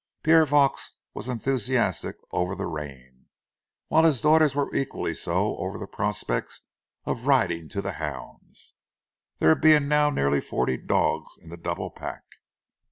Pierre Vaux was enthusiastic over the rain, while his daughters were equally so over the prospects of riding to the hounds, there being now nearly forty dogs in the double pack.